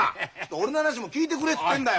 俺の話も聞いてくれっつってんだよ！